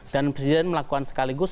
dan presiden melakukan sekaligus